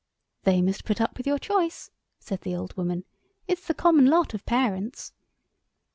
"They must put up with your choice," said the old woman, "it's the common lot of parents."